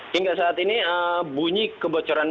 hingga saat ini bunyi kebocoran